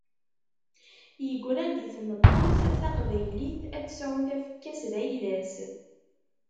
Yegra-d i tmeṭṭut taqbaylit, ad tesεu tafekka-s d ayla-s.